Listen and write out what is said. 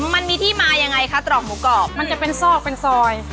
มันมีที่มายังไงคะตรอกหมูกรอบมันจะเป็นซอกเป็นซอย